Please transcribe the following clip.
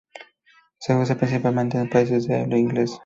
Se usa principalmente en países de habla inglesa.